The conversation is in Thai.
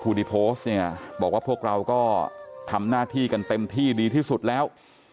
ที่โพสต์เนี่ยบอกว่าพวกเราก็ทำหน้าที่กันเต็มที่ดีที่สุดแล้ว